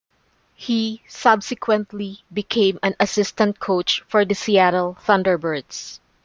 He subsequently became an assistant coach for the Seattle Thunderbirds.